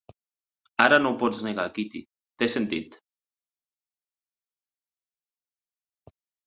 Ara no ho pots negar, Kitty: t'he sentit!